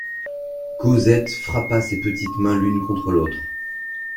Cosette frappa ses petites mains l’une contre l’autre.